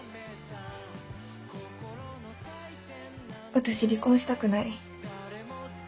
私離婚したくない。